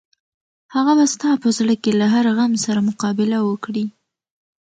هغه به ستا په زړه کې له هر غم سره مقابله وکړي.